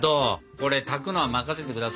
これ炊くのは任せてください。